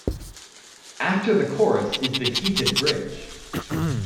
After the chorus is the heated bridge.